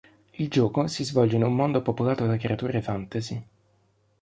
Il gioco si svolge in un mondo popolato da creature fantasy.